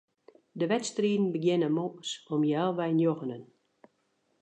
De wedstriden begjinne moarns om healwei njoggenen.